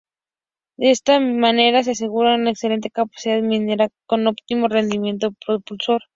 De esta manera se asegura una excelente capacidad marinera con óptimo rendimiento propulsor.